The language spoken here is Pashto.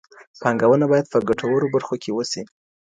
پانګونه باید په ګټورو برخو کي وسي.